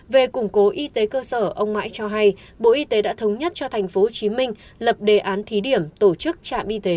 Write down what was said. về củng cố y tế cơ sở ông mãi cho hay bộ y tế đã thống nhất cho thành phố hồ chí minh lập đề án thí điểm tổ chức trạm y tế